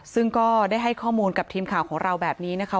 ซึ่งก็ได้ให้ข้อมูลกับทีมข่าวของเราแบบนี้นะคะ